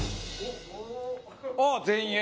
あっ全員Ａ！